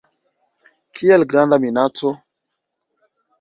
Kial granda minaco?